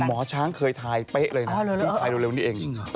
หมอช้างเคยทายเป๊ะเลยนะดูทายเร็วนี่เองจริงเหรอ